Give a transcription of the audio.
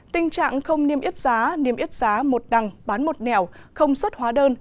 tình trạng không niêm yết giá niêm yết giá một đằng bán một nẻo không xuất hóa đơn